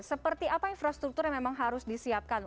seperti apa infrastruktur yang memang harus disiapkan